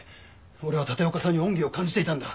俺は立岡さんに恩義を感じていたんだ。